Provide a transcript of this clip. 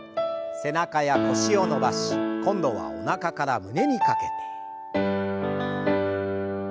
背中や腰を伸ばし今度はおなかから胸にかけて。